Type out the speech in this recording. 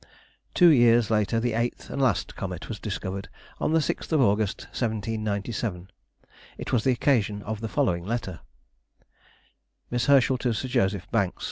Two years later the eighth and last comet was discovered, on the 6th of August, 1797. It was the occasion of the following letter:— MISS HERSCHEL TO SIR JOSEPH BANKS.